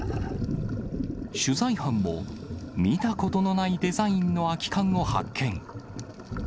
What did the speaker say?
取材班も見たことのないデザインの空き缶を発見。